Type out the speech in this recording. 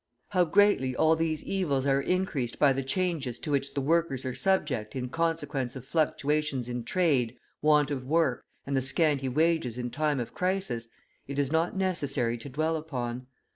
How greatly all these evils are increased by the changes to which the workers are subject in consequence of fluctuations in trade, want of work, and the scanty wages in time of crisis, it is not necessary to dwell upon.